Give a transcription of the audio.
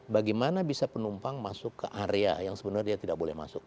bagaimana bisa penumpang masuk ke area yang sebenarnya dia tidak boleh masuk